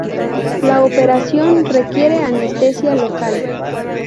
La operación requiere anestesia local.